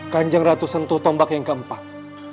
kanjeng ratu sentuh tombak yang keempat